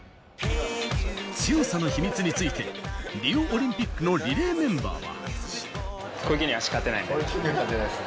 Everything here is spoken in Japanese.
強さの秘密についてリオオリンピックのリレーメンバーは。